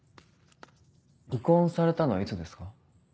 離婚されたのはいつですか？